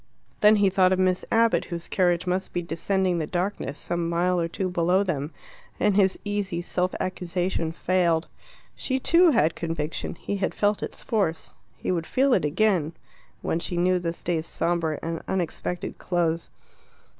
Then he thought of Miss Abbott, whose carriage must be descending the darkness some mile or two below them, and his easy self accusation failed. She, too, had conviction; he had felt its force; he would feel it again when she knew this day's sombre and unexpected close.